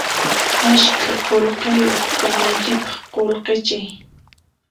Askha qullqiyuq kanaykipaq qullqichay